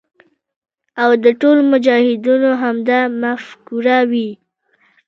او د ټولو مجاهدینو همدا مفکوره وي.